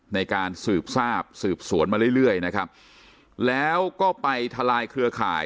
ในการสืบทราบสืบสวนมาเรื่อยเรื่อยนะครับแล้วก็ไปทลายเครือข่าย